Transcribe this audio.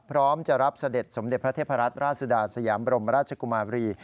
พร้อมจะรับเสด็จสมเด็จพระเทพรัตนราชสุดาสยามบรมราชกุมาบรี